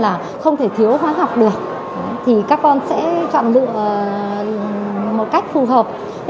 nếu không thể thiếu khoa học được thì các con sẽ chọn lựa một cách phù hợp